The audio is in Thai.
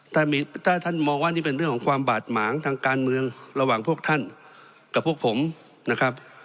ถ้าท่านมองว่านี่เป็นเรื่องของความบาดหมางทางการเมืองระหว่างพวกท่านกับพวกผมนะครับ